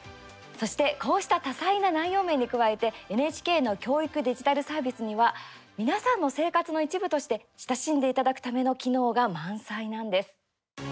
そして、こうした多彩な内容面に加えて、ＮＨＫの教育デジタルサービスには皆さんの生活の一部として親しんでいただくための機能が満載なんです。